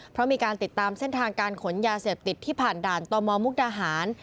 เพราะมีการติดตามเส้นทางการขนยาเสพติดที่ผ่านด่านตมมุกดาหาร